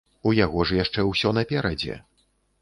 У яго ж яшчэ ўсё наперадзе.